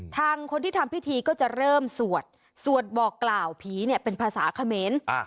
ทางคนที่ทำพิธีก็จะเริ่มสวดสวดบอกกล่าวผีเนี่ยเป็นภาษาเขมร